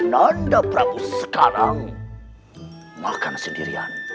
nanda prabu sekarang makan sendirian